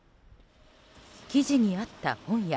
記事にあった本屋